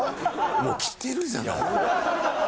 もう着てるじゃない。